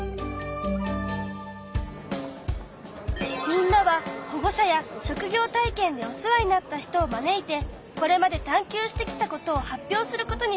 みんなは保護者や職業体験でお世話になった人を招いてこれまで探究してきたことを発表することにしたんだ。